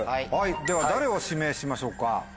では誰を指名しましょうか？